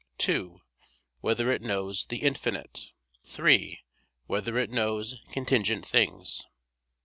(2) Whether it knows the infinite? (3) Whether it knows contingent things?